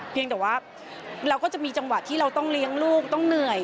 เพียงแต่ว่าเราก็จะมีจังหวะที่เราต้องเลี้ยงลูกต้องเหนื่อย